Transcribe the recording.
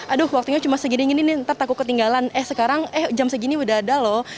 aduh waktunya cuma segini gini nih ntar takut ketinggalan eh sekarang eh jam segini udah ada loh